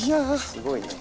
すごいね。